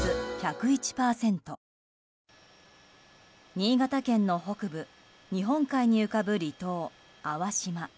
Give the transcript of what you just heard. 新潟県の北部日本海に浮かぶ離島・粟島。